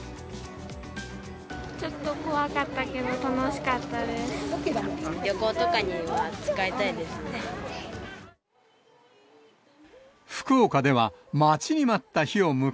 ちょっと怖かったけど、楽しかったです。